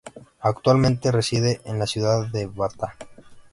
Actualmente reside en la ciudad de Vantaa.